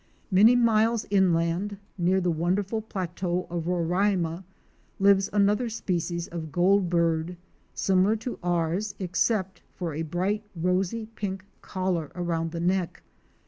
Many miles inland near the wonderful plateau of Roraima lives another species of Goldbird, similar to ours except for a bright rosy pink collar around the neck.